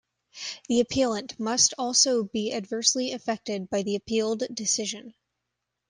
The appellant must also be adversely affected by the appealed decision.